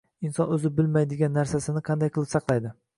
Inson o‘zi bilmaydigan narsasini qanday qilib saqlaydi?